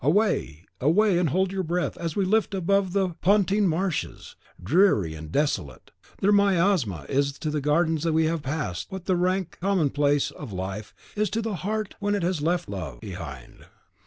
Away, away! and hold your breath as we flit above the Pontine Marshes. Dreary and desolate, their miasma is to the gardens we have passed what the rank commonplace of life is to the heart when it has left love behind.